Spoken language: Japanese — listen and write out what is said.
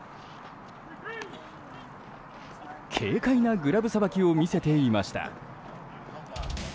軽快なグラブさばきを見せていました。